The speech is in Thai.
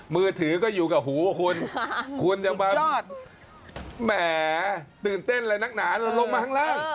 มือถือก็อยู่กับหูคุณคุณยังมารอดแหมตื่นเต้นเลยนักหนาลงมาข้างล่าง